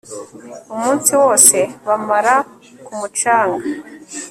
umunsi wose bamara ku mucanga